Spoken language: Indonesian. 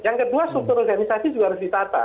yang kedua struktur organisasi juga harus ditata